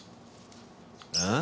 ああ？